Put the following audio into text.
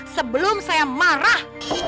sebelum saya marah